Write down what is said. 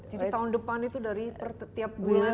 jadi tahun depan itu dari tiap bulan ini